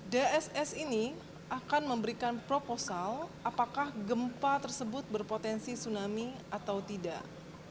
dss ini akan memberikan proposal apakah gempa tersebut berpotensi tsunami atau tidak